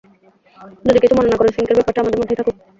যদি কিছু মনে না করো, সিংকের ব্যাপারটা আমাদের মধ্যেই থাকুক?